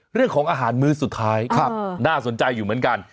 เรื่องของอาหารมื้อสุดท้ายน่าสนใจอยู่เหมือนกัน